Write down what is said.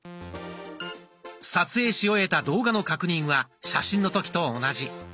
撮影し終えた動画の確認は写真の時と同じ。